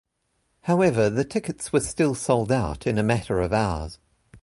However, the tickets were still sold out in a matter of hours.